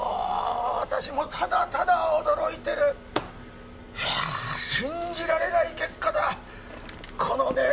私もただただ驚いてるいや信じられない結果だこのね